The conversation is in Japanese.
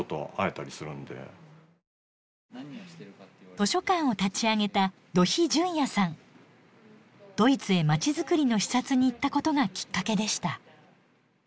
図書館を立ち上げたドイツへまちづくりの視察に行ったことがきっかけでした。